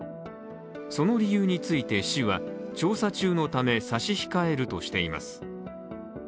その理由について、市は調査中のため差し控えるとしています。